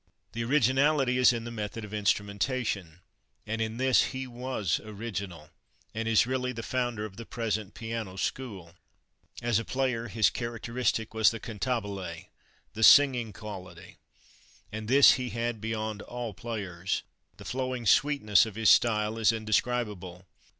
The originality is in the method of instrumentation, and in this he was original, and is really the founder of the present piano school. As a player his characteristic was the cantabile the singing quality; and this he had beyond all players. The flowing sweetness of his style is indescribable.